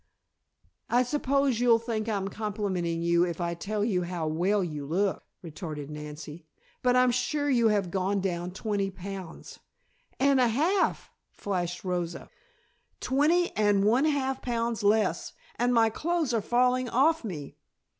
"I suppose you'll think I'm complimenting you if I tell you how well you look," retorted Nancy. "But I'm sure you have gone down twenty pounds!" "And a half," flashed Rosa. "Twenty and one half pounds less, and my clothes are falling off me.